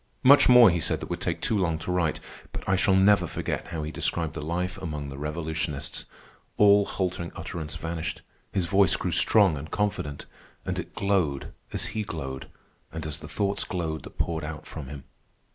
Much more he said that would take too long to write, but I shall never forget how he described the life among the revolutionists. All halting utterance vanished. His voice grew strong and confident, and it glowed as he glowed, and as the thoughts glowed that poured out from him.